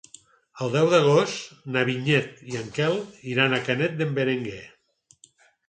El deu d'agost na Vinyet i en Quel iran a Canet d'en Berenguer.